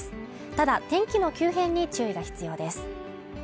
ただ、天気の急変に注意が必要です。